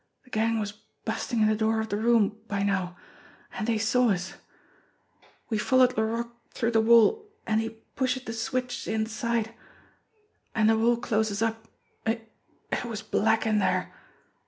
"De gang was bustin' in de door of de room by now, an' dey saw us. We followed Laroque through de wall, an' he pushes de switch inside an' de wall closes up. It it was black in dere.